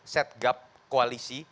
set gap koalisi